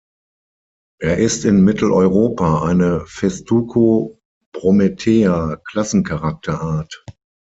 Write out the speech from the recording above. Er ist in Mitteleuropa eine Festuco-Brometea-Klassencharakterart.